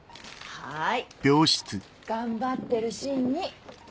はい。